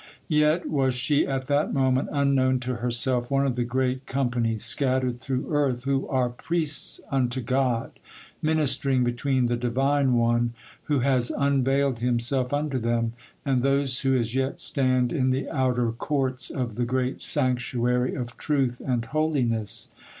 Yet was she at that moment, unknown to herself, one of the great company scattered through earth who are priests unto God,—ministering between the Divine One, who has unveiled himself unto them, and those who as yet stand in the outer courts of the great sanctuary of truth and holiness.